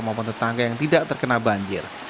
maupun tetangga yang tidak terkena banjir